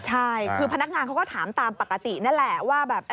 ใช่คือพนักงานเขาก็ถามตามปกตินั่นแหละว่าแบบ